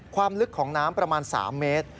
ความลึกของน้ำประมาณ๓เมตร